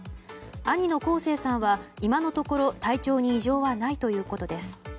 兄の昴生さんは今のところ体調に異常はないということです。